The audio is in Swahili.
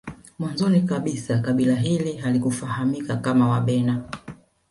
Mwanzoni kabisa kabila hili halikufahamika kama Wabena